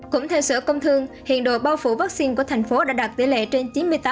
cũng theo sở công thương hiện đồ bao phủ vaccine của tp hcm đã đạt tỉ lệ trên chín mươi tám